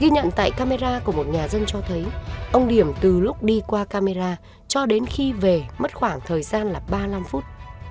ghi nhận tại camera của một nhà dân cho thấy ông điểm từ lúc đi qua camera cho đến khi về mất khoảng thời gian là ba mươi năm phút